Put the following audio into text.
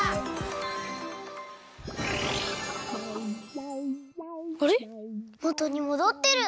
もとにもどってる。